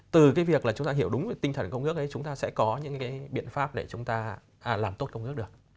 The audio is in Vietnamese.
từ cái việc là chúng ta hiểu đúng về tinh thần công ước ấy chúng ta sẽ có những cái biện pháp để chúng ta làm tốt công ước được